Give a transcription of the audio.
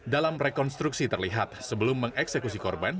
dalam rekonstruksi terlihat sebelum mengeksekusi korban